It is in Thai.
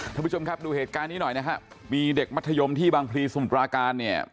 ท่านผู้ชมครับดูเหตุการณ์นี้หน่อยนะฮะมีเด็กมัธยมที่บางพลีสมุทราการเนี่ย